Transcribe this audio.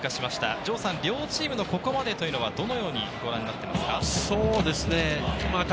城さん、両チームのここまでは、どのようにご覧になっていますか？